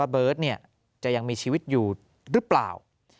เบิร์ตจะยังมีชีวิตอยู่หรือเปล่า